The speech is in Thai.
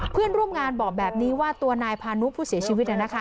เพื่อนร่วมงานบอกแบบนี้ว่าตัวนายพานุผู้เสียชีวิต